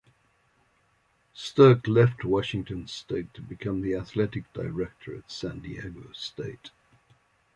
Sterk left Washington State to become the athletic director at San Diego State.